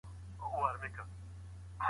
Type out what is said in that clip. هغه د ټولني ناروغي تشخیص کوي.